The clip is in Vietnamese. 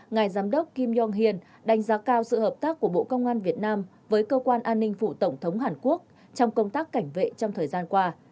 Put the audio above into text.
ngài giám đốc kim yong hion đánh giá cao sự hợp tác của bộ công an việt nam với cơ quan an ninh phụ tổng thống hàn quốc trong công tác cảnh vệ trong thời gian qua